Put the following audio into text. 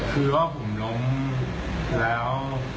คือว่าผมล้มแล้ว